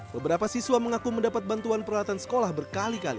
beberapa siswa mengaku mendapat bantuan peralatan sekolah berkali kali